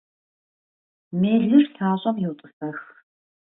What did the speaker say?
Мелыр лъащӀэм йотӀысэх.